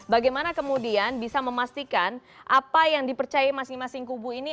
bagaimana kemudian bisa memastikan apa yang dipercaya masing masing kubu ini